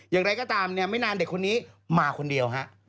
อย่างไรก็ตามเนี่ยไม่นานเด็กคนนี้มาคนเดียวฮะ